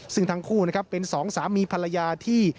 ซึ่งทั้งคู่นะครับเป็นสองสามีภรรยาที่